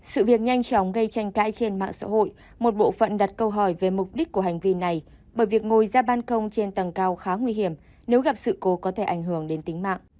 sự việc nhanh chóng gây tranh cãi trên mạng xã hội một bộ phận đặt câu hỏi về mục đích của hành vi này bởi việc ngồi ra ban công trên tầng cao khá nguy hiểm nếu gặp sự cố có thể ảnh hưởng đến tính mạng